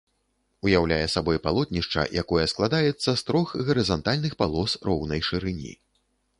Уяўляе сабой палотнішча, якое складаецца з трох гарызантальных палос роўнай шырыні.